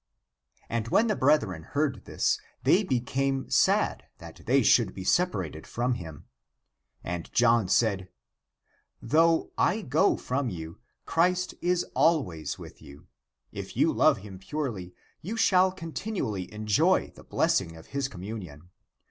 And when the brethren heard this, they became sad that they should be separated from him. And John said, " Though I go from you, Christ is always with you. If you love him purely, you shall continually enjoy the blessing of his communion.